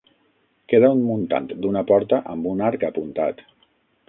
Queda un muntant d'una porta amb un arc apuntat.